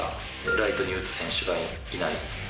ライトに打つ選手がいない。